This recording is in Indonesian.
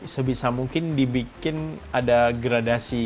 sebisa mungkin dibikin ada gradasi